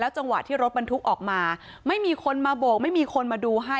จังหวะที่รถบรรทุกออกมาไม่มีคนมาโบกไม่มีคนมาดูให้